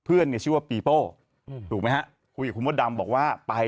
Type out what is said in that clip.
เพื่อนเนี่ยชื่อว่าปีโป้ถูกไหมฮะคุยกับคุณมดดำบอกว่าไป